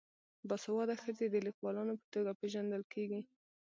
باسواده ښځې د لیکوالانو په توګه پیژندل کیږي.